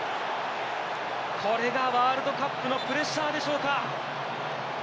これがワールドカップのプレッシャーでしょうか。